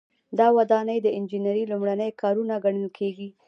دا ودانۍ د انجنیری لومړني کارونه ګڼل کیږي.